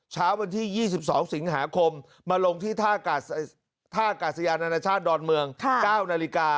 เช้าวันที่๒๒สิงหาคมมาลงที่ท่ากาศยานานาชาติดอนเมือง๙นาฬิกา